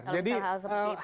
kalau misalnya hal seperti itu